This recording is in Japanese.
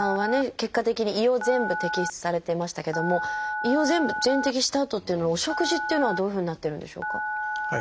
結果的に胃を全部摘出されてましたけども胃を全部全摘したあとっていうのはお食事っていうのはどういうふうになってるんでしょうか？